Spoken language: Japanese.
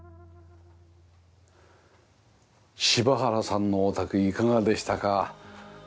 柴原さんのお宅いかがでしたか？